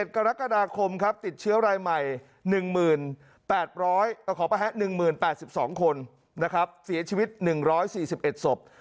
๑๗กรกฎาคมติดเชื้อลายใหม่๑๐๘๘๒คนเสียชีวิต๑๔๑ศพ